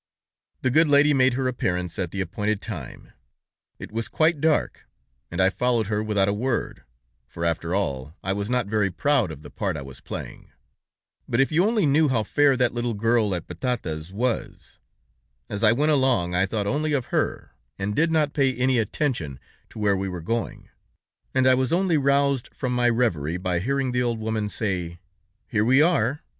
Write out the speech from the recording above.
"The good lady made her appearance at the appointed time. It was quite dark, and I followed her without a word, for, after all, I was not very proud of the part I was playing. But if you only knew how fair that little girl at Patata's was! As I went along, I thought only of her, and did not pay any attention to where we were going, and I was only roused from my reverie by hearing the old woman say: 'Here we are.